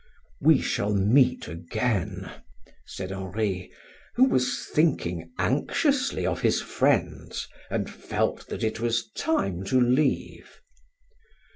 "We shall meet again," said Henri, who was thinking anxiously of his friends and felt that it was time to leave.